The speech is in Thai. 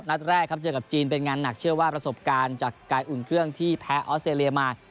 นัดแรกครับเจอกับจีนเป็นงานหนักเชื่อว่าประสบการณ์จากการอุ่นเครื่องที่แพ้ออสเตรเลียมา